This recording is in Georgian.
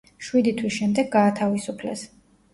შვიდი თვის შემდეგ გაათავისუფლეს.